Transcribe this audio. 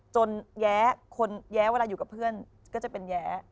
คนแย้เวลาอยู่กับเพื่อนก็จะเป็นแย้